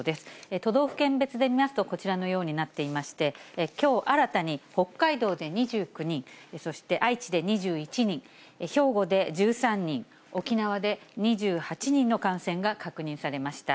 都道府県別で見ますと、こちらのようになっていまして、きょう新たに北海道で２９人、そして愛知で２１人、兵庫で１３人、沖縄で２８人の感染が確認されました。